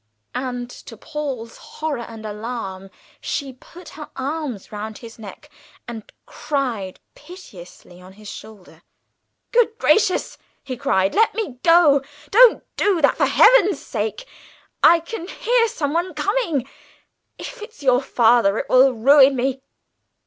And, to Paul's horror and alarm, she put her arms round his neck, and cried piteously on his shoulder. "Good gracious!" he cried, "let me go. Don't do that, for Heaven's sake! I can hear some one coming. If it's your father, it will ruin me!"